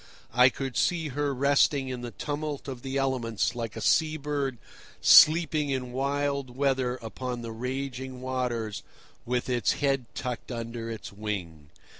I could see her resting in the tumult of the elements like a sea bird sleeping in wild weather upon the raging waters with its head tucked under its wing.